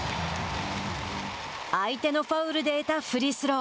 相手のファウルで得たフリースロー。